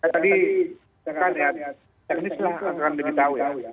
tadi saya kan teknis lah saya kan lebih tahu ya